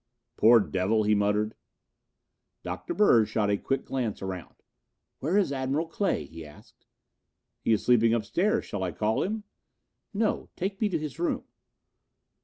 "Poor devil!" he muttered. Dr. Bird shot a quick glance around. "Where is Admiral Clay?" he asked. "He is sleeping upstairs. Shall I call him?" "No. Take me to his room."